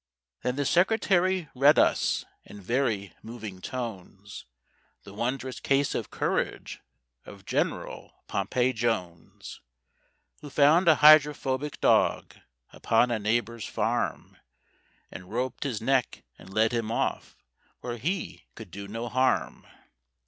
Then the Secretary read us, in very moving tones, The wondrous case of courage of General Pompey Jones, Who found a hydrophobic dog upon a neighbour's farm, And roped his neck and led him off where he could do no harm.